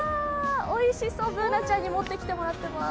おいしそう、Ｂｏｏｎａちゃんに持ってきてもらっています。